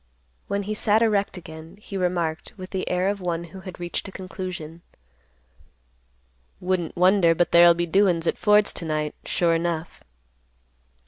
When he sat erect again, he remarked, with the air of one who had reached a conclusion, "Wouldn't wonder but there'll be doin's at Ford's to night, sure enough."